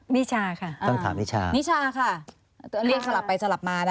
นิชาค่ะต้องถามนิชานิชาค่ะเรียกสลับไปสลับมานะคะ